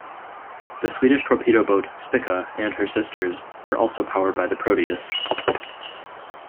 The Swedish torpedo boat "Spica" and her sisters were also powered by the Proteus.